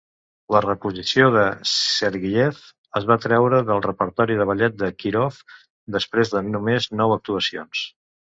La reposició de Sergeyev es va treure del repertori del Ballet de Kirov després de només nou actuacions.